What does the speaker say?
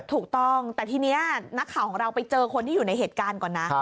ถูกต้องแต่ทีนี้นักข่าวของเราไปเจอคนที่อยู่ในเหตุการณ์ก่อนนะ